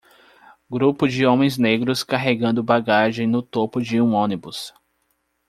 Grupo de homens negros carregando bagagem no topo de um ônibus